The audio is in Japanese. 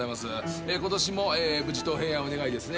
ことしも無事と平安を願いですね